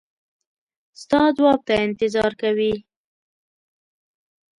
ستا ځواب ته انتظار کوي.